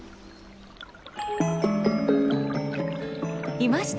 いました！